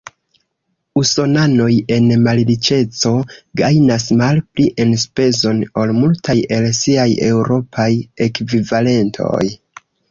Usonanoj en malriĉeco gajnas malpli enspezon ol multaj el siaj eŭropaj ekvivalentoj.